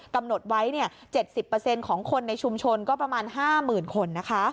กำหนดไว้๗๐ของคนในชุมชนก็ประมาณ๕๐๐๐คน